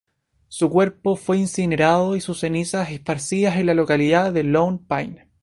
Su cuerpo fue incinerado y sus cenizas esparcidas en la localidad de Lone Pine.